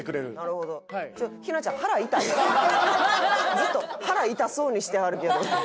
ずっと腹痛そうにしてはるけど。